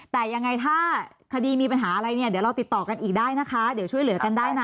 แต่ยังไงถ้าคดีมีปัญหาอะไรเนี่ยเดี๋ยวเราติดต่อกันอีกได้นะคะเดี๋ยวช่วยเหลือกันได้นะ